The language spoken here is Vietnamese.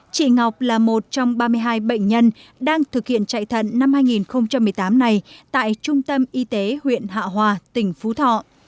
chị ngọc là một trong ba mươi hai bệnh nhân đang thực hiện chạy thận năm hai nghìn một mươi tám này tại trung tâm y tế huyện hạ hòa tỉnh phú thọ